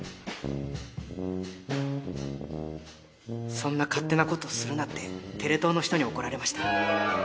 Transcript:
そんな勝手なことするなってテレ東の人に怒られました。